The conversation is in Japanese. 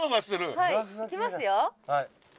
「はい。いきますよ」